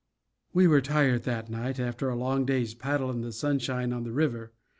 We were tired that night, after a long day's paddle in the sunshine on the river.